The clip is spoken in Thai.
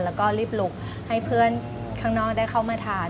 แล้วก็รีบลุกให้เพื่อนข้างนอกได้เข้ามาทาน